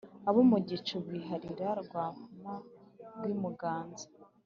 abo mu gicu birahira rwahama rw'i muganza.